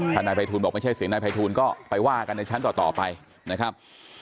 ถ้านายภัยทูลบอกไม่ใช่เสียงนายภัยทูลก็ไปว่ากันในชั้นต่อไปนะครับ